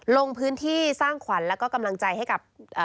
ลงพื้นที่สร้างขวัญแล้วก็กำลังใจให้กับ